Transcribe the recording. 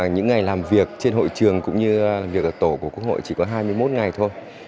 những ngày làm việc trên hội trường cũng như việc ở tổ của quốc hội chỉ có hai mươi một ngày thôi